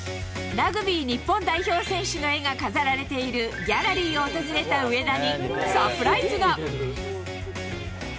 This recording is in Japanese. ラグビー日本代表選手の絵が飾られているギャラリーを訪れた上田に、サプライズが。